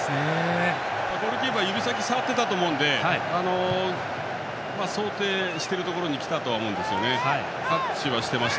ゴールキーパーは指先で触っていたと思うので想定しているところに来たとは思います。